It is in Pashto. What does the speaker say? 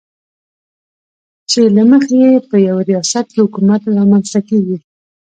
چې له مخې یې په یوه ریاست کې حکومت رامنځته کېږي.